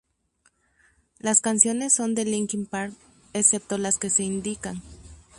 Las canciones son de Linkin Park, excepto las que se indican.